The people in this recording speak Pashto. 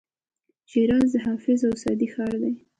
شیراز د حافظ او سعدي ښار دی.